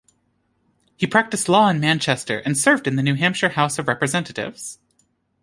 He practiced law in Manchester and served in the New Hampshire House of Representatives.